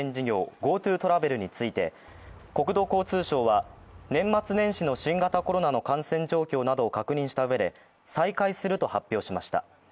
・ＧｏＴｏトラベルについて国土交通省は年末年始の新型コロナの感染状況などを確認したうえで再開すると発表しました。